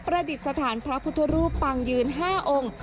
ดิษฐานพระพุทธรูปปางยืน๕องค์